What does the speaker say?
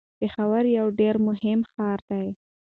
پېښور یو ډیر مهم ښار دی.